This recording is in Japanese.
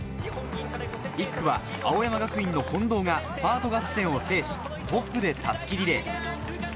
１区は青山学院の近藤がスパート合戦を制し、トップで襷リレー。